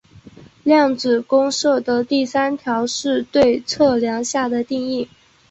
量子公设的第三条是对测量下的定义。